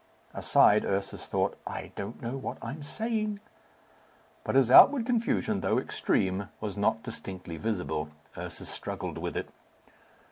Aside, Ursus thought, "I don't know what I am saying." But his outward confusion, though extreme, was not distinctly visible. Ursus struggled with it.